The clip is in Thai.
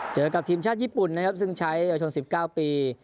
กับทีมชาติญี่ปุ่นนะครับซึ่งใช้เยาวชน๑๙ปี